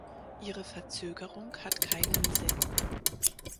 Ihre Verzögerung hat keinen Sinn.